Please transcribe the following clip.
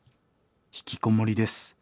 ひきこもりです。